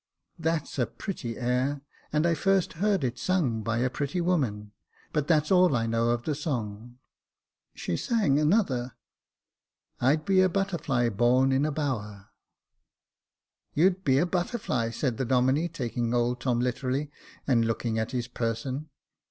That's a pretty air, and I first heard it sung by a pretty woman ; but that's all I know of the song. She sang another —«< I'd be a butterfly, born in a bower.'" I02 Jacob Faithful " You'd be a butterfly," said the Domine, taking old Tom literally, and looking at his person.